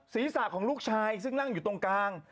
ศีรษะของลูกชายซึ่งนั่งอยู่ตรงกลาง